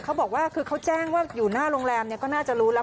เขาบอกว่าคือเขาแจ้งว่าอยู่หน้าโรงแรมเนี่ยก็น่าจะรู้แล้ว